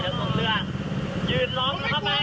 กูก็ไม่ได้ทำแบบที่มึงทำกับกูเนี่ย